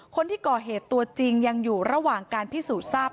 คนที่ก่อเหตุตัวจริงยังอยู่ระหว่างการพิสูจน์ทราบ